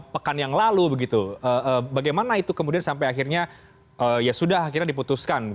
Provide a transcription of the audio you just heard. pekan yang lalu begitu bagaimana itu kemudian sampai akhirnya ya sudah akhirnya diputuskan